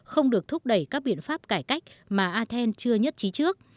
không được thúc đẩy các biện pháp cải cách mà athen chưa nhất trí trước